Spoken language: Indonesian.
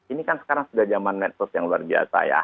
ini kan sekarang sudah zaman medsos yang luar biasa ya